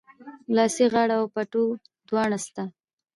لاسي غاړه او پټو دواړه سته